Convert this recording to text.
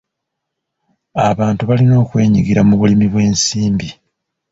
Abantu balina okwenyigira mu bulimi obw'ensimbi.